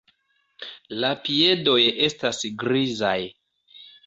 La piedoj estas grizaj.